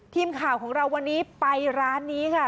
ทีมข่าวของเราวันนี้ไปร้านนี้ค่ะ